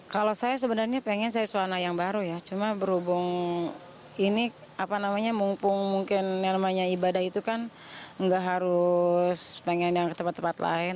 kalau saya sebenarnya pengen saya suara yang baru ya cuma berhubung ini apa namanya mumpung mungkin yang namanya ibadah itu kan nggak harus pengen yang ke tempat tempat lain